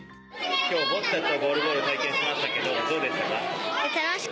・今日ボッチャとゴールボール体験しましたけどどうでしたか？